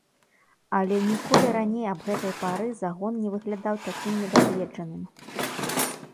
Але ніколі раней аб гэтай пары загон не выглядаў такім недагледжаным.